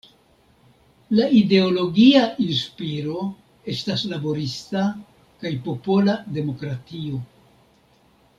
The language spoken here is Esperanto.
La ideologia inspiro estas laborista kaj popola demokratio.